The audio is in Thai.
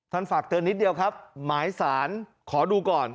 ฝากเตือนนิดเดียวครับหมายสารขอดูก่อน